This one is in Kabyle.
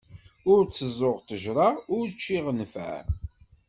Ur tteẓẓuɣ ṭejra ur ččiɣ nfeɛ.